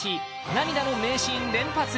涙の名シーン連発！